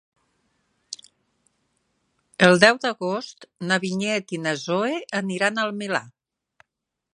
El deu d'agost na Vinyet i na Zoè aniran al Milà.